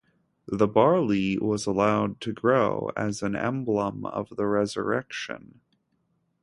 The barley was allowed to grow as an emblem of the resurrection.